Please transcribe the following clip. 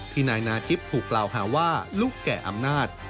ที่นายนาจิ๊บถูกเล่าหาว่าลุกแก่อำนาจ